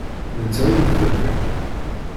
Netta ur d baba-k.